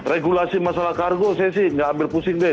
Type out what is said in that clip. regulasi masalah kargo saya sih nggak ambil pusing deh